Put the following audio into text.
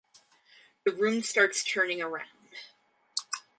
The room starts turning around.